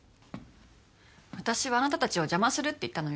私はあなたたちを邪魔するって言ったのよ。